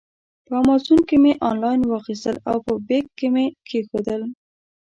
په امازان کې مې آنلاین واخیستل او په بیک کې مې کېښودل.